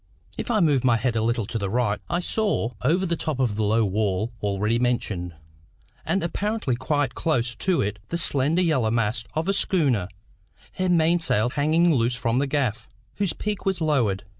If I moved my head a little to the right, I saw, over the top of the low wall already mentioned, and apparently quite close to it the slender yellow masts of a schooner, her mainsail hanging loose from the gaff, whose peak was lowered.